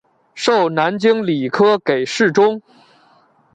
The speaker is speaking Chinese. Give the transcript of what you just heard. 授南京礼科给事中。